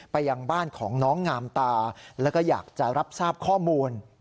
ยังบ้านของน้องงามตาแล้วก็อยากจะรับทราบข้อมูล